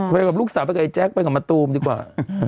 ไปกับลูกสาวไปกับไอแจ๊คไปกับมะตูมดีกว่า